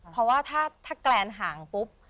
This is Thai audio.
เพราะว่าถ้าแกรนห่างปุ๊บ